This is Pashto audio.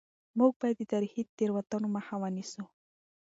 موږ باید د تاریخي تېروتنو مخه ونیسو.